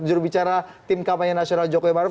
jurubicara tim kampanye nasional jokowi maruf